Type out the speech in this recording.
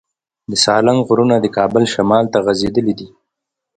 د سالنګ غرونه د کابل شمال ته غځېدلي دي.